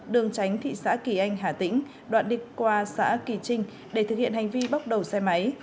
đường tránh thị xã kỳ anh hà tĩnh đoạn đi qua xã kỳ trinh để thực hiện hành vi bóc đầu xe máy